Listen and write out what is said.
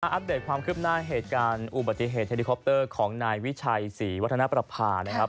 อัปเดตความคืบหน้าเหตุการณ์อุบัติเหตุเฮลิคอปเตอร์ของนายวิชัยศรีวัฒนประพานะครับ